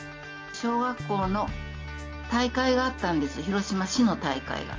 小学校の大会があったんです、広島市の大会が。